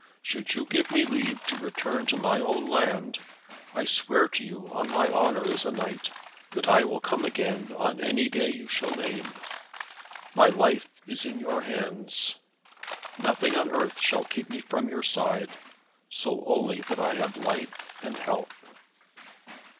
Should you give me leave to return to my own land I swear to you on my honour as a knight, that I will come again on any day that you shall name. My life is in your hands. Nothing on earth shall keep me from your side, so only that I have life and health."